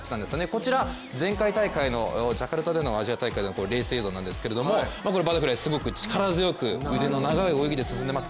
こちら、前回大会のジャカルタでのアジア大会でのレース映像なんですけれどもバタフライ、すごく力強く、腕の長い動きで泳いでいます